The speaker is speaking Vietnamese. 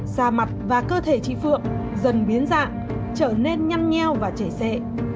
da mặt và cơ thể chị phượng dần biến dạng trở nên nhăm nheo và chảy xệ